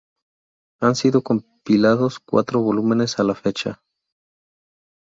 Han sido compilados cuatro volúmenes a la fecha.